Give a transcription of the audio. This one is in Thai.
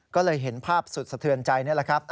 ก็เลยเห็นภาพสุดสะเทือนใจนี่แหละครับ